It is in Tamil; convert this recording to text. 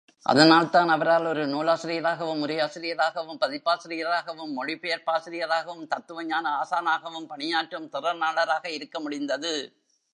அதனால்தான் அவரால் ஒரு நூலாசிரியராகவும், உரையாசிரியராகவும், பதிப்பாசிரியராகவும், மொழிபெயர்ப்பாசிரியராகவும், தத்துவஞான ஆசானாகவும் பணியாற்றும் திறனாளராக இருக்க முடிந்தது.